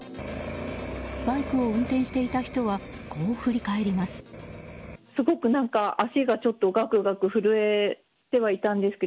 バイクを運転していた人はこう振り返ります。